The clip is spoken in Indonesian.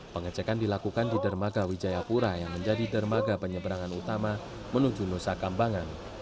pengecekan dilakukan di dermaga wijayapura yang menjadi dermaga penyeberangan utama menuju nusa kambangan